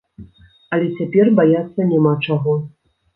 Але цяпер баяцца няма чаго.